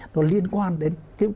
nó liên quan đến